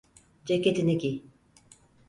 Ceketini giy.